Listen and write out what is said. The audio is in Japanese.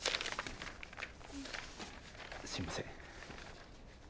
すみません。